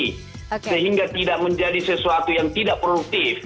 sehingga tidak menjadi sesuatu yang tidak produktif